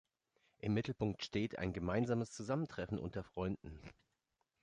Im Mittelpunkt steht ein gemeinsames Zusammentreffen unter Freunden.